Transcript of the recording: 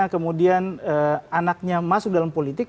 kemudian anaknya masuk dalam politik